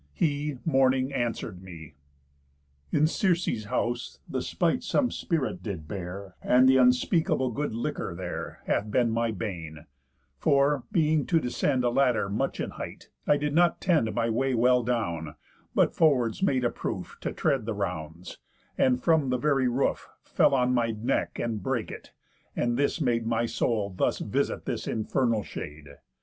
He, mourning, answer'd me: 'In Circe's house, the spite some spirit did bear, And the unspeakable good liquor there, Hath been my bane; for, being to descend A ladder much in height, I did not tend My way well down, but forwards made a proof To tread the rounds, and from the very roof Fell on my neck, and brake it; and this made My soul thus visit this infernal shade.